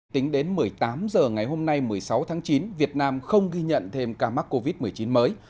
tính đến một mươi tám h ngày hôm nay một mươi sáu tháng chín việt nam không ghi nhận thêm ca mắc covid một mươi chín mới